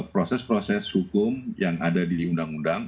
proses proses hukum yang ada di undang undang